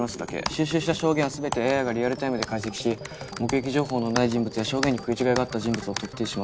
収集した証言は全てＡＩがリアルタイムで解析し目撃情報のない人物や証言に食い違いがあった人物を特定します。